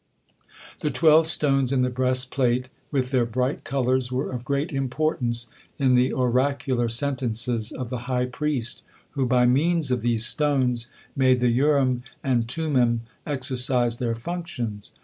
The twelve stones in the breastplate, with their bright colors, were of great importance in the oracular sentences of the high priest, who by means of these stones made the Urim and Tummim exercise their functions.